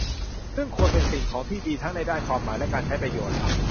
ซึ่งควรเป็นสิ่งของที่ดีทั้งในด้านความหมาย และการใช้ประโยชน์